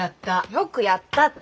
よくやったって。